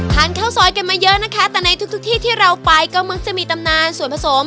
ข้าวซอยกันมาเยอะนะคะแต่ในทุกที่ที่เราไปก็มักจะมีตำนานส่วนผสม